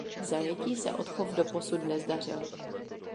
V zajetí se odchov doposud nezdařil.